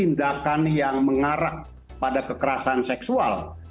dalam melaporkan setiap tindakan yang mengarah pada kekerasan seksual